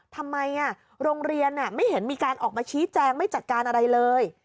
ทำไมโรงเรียนไม่เห็นมีการออกมาชี้แจงไม่จัดการอะไรเลย